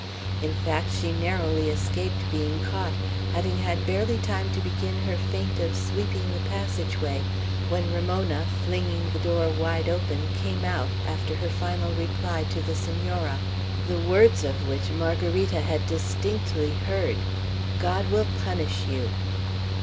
In fact, she narrowly escaped being caught, having had barely time to begin her feint of sweeping the passage way, when Ramona, flinging the door wide open, came out, after her final reply to the Senora, the words of which Margarita had distinctly heard: "God will punish you."